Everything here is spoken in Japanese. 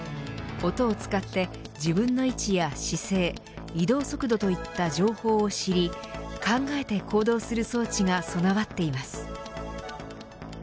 音を使って自分の位置や姿勢移動速度といった情報を知り考えて行動する装置が備わっています。